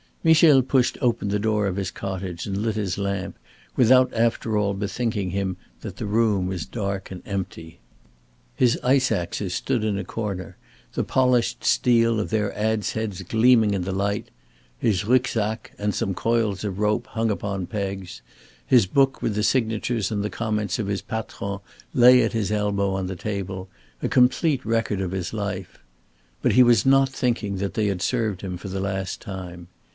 Michel pushed open the door of his cottage, and lit his lamp, without after all bethinking him that the room was dark and empty. His ice axes stood in a corner, the polished steel of their adz heads gleaming in the light; his Rücksack and some coils of rope hung upon pegs; his book with the signatures and the comments of his patrons lay at his elbow on the table, a complete record of his life. But he was not thinking that they had served him for the last time.